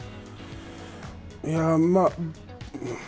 いや、まあ。